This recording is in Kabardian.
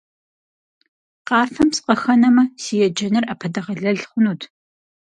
Къафэм сыкъыхэнэмэ, си еджэныр Ӏэпэдэгъэлэл хъунут.